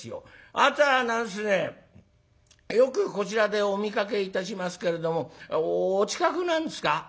「あなたは何ですねよくこちらでお見かけいたしますけれどもお近くなんですか？」。